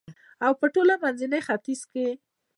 و په ټول منځني ختیځ کې